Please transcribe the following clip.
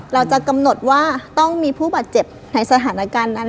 เราจะกำหนดว่าต้องมีผู้บาดเจ็บในสถานการณ์นั้น